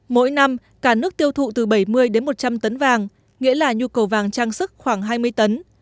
mỗi năm cả nước tiêu thụ từ bảy mươi đến một trăm linh tấn vàng nghĩa là nhu cầu vàng trang sức khoảng hai mươi tấn